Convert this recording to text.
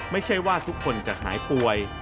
ไม่ใช่ว่าทุกคนจะหายป่วย